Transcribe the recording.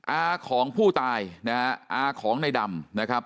อาของผู้ตายนะฮะอาของในดำนะครับ